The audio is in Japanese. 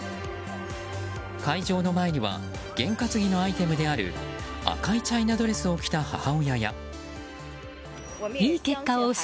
会場の前には験担ぎのアイテムである赤いチャイナドレスを着た母親や。